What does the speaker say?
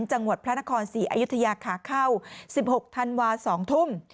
จังหวัดพระนครศรีอยุธยาขาเข้า๑๖ธันวา๒ทุ่ม